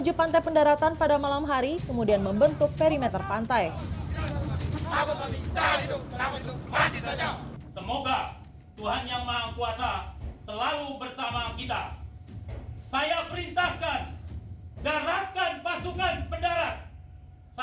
jelang operasi perang tersebut berlalu dengan perang tersebut